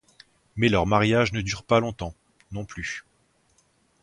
Mais leur mariage ne dure pas longtemps, non plus.